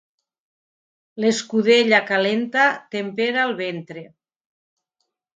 L'escudella calenta tempera el ventre.